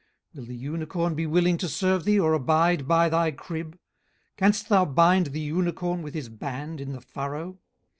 18:039:009 Will the unicorn be willing to serve thee, or abide by thy crib? 18:039:010 Canst thou bind the unicorn with his band in the furrow?